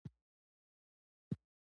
بې ځایه راتګ دې زموږ در ته د څه لپاره و.